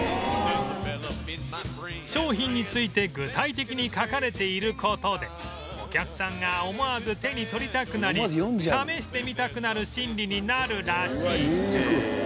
商品について具体的に書かれている事でお客さんが思わず手に取りたくなり試してみたくなる心理になるらしい